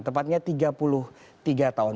tepatnya tiga puluh tiga tahun